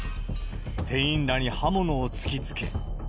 店員らに刃物を突きつけ。